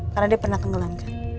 karena dia pernah tenggelam